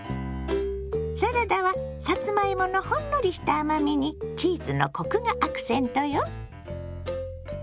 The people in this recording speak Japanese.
サラダはさつまいものほんのりした甘みにチーズのコクがアクセントよ。